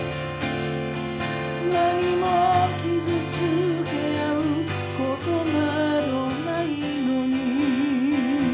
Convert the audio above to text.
「何も傷つけ合う事などないのに」